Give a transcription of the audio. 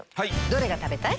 どれが食べたい？